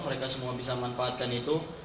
mereka semua bisa memanfaatkan itu